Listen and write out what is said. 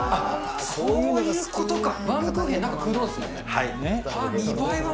そういうことか。